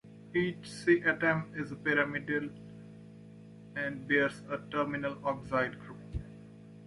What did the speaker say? Each Se atom is pyramidal and bears a terminal oxide group.